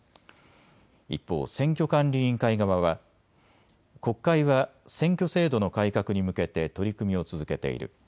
一方、選挙管理委員会側は国会は選挙制度の改革に向けて取り組みを続けている。